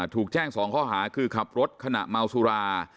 ถูกแจ้ง๒ข้อหาคือขับรถขณะเมาสุรา